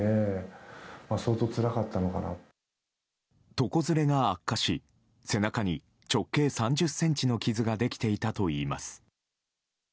床ずれが悪化し背中に直径３０ｃｍの傷ができていたといいます。